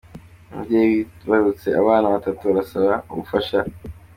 Umubyeyi wibarutse abana Batatu arasaba ubufasha